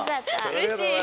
うれしい。